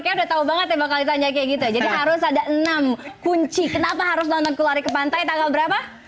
kayaknya udah tau banget ya bakal ditanya kayak gitu jadi harus ada enam kunci kenapa harus nonton kulari ke pantai tanggal berapa